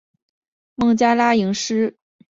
孟加拉蝇狮为跳蛛科蝇狮属的动物。